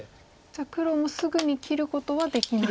じゃあ黒もすぐに切ることはできない。